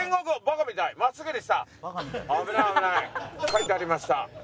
書いてありました。